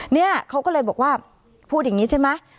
เนี่ยเขาก็เลยบอกว่าพูดอย่างนี้ใช่ไหม